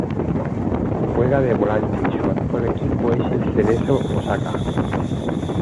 Juega de volante y su actual equipo es el Cerezo Osaka.